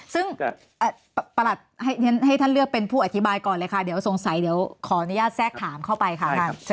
ซึ่งประหลัดให้ท่านเลือกเป็นผู้อธิบายก่อนเลยค่ะเดี๋ยวสงสัยเดี๋ยวขออนุญาตแทรกถามเข้าไปค่ะ